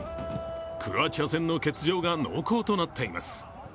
クロアチア戦の欠場が濃厚となっています。